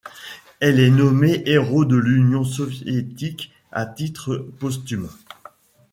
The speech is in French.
Elle est nommée Héros de l'Union soviétique à titre posthume.